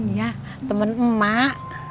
ya temen emak